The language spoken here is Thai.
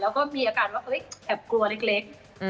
แล้วก็แบบกลัวเล็ก